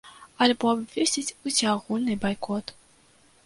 Альбо абвесціць усеагульны байкот.